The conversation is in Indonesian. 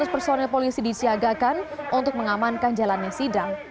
lima ratus personel polisi disiagakan untuk mengamankan jalannya sidang